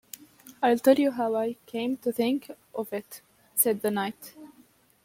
‘I’ll tell you how I came to think of it,’ said the Knight.